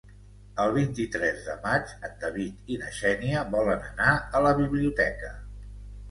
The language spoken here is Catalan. El vint-i-tres de maig en David i na Xènia volen anar a la biblioteca.